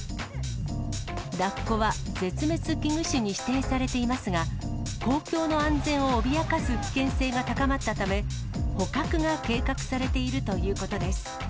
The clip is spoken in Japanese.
ラッコは絶滅危惧種に指定されていますが、公共の安全を脅かす危険性が高まったため、捕獲が計画されているということです。